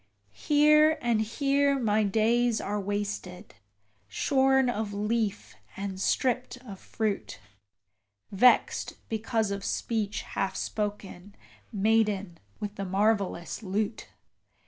Here and here my days are wasted, shorn of leaf and stript of fruit: Vexed because of speech half spoken, maiden with the marvellous lute!